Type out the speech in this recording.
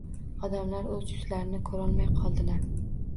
Odamlar o‘z yuzlarini ko‘rolmay qoldilar.